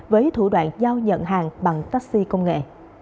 với thủ đoạn giao nhận hàng bằng taxi công nghệ